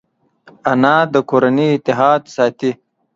انا د کورنۍ اتحاد ساتي